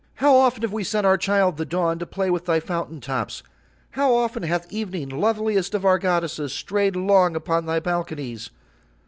"How often have we sent our child the Dawn to play with thy fountain tops; how often hath Evening, loveliest of our goddesses, strayed long upon thy balconies.